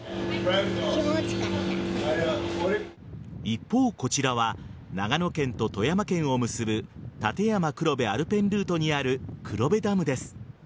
一方、こちらは長野県と富山県を結ぶ立山黒部アルペンルートにある黒部ダムです。